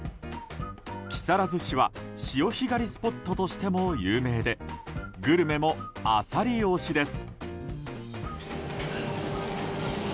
木更津市は潮干狩りスポットとしても有名でグルメもアサリ推しです。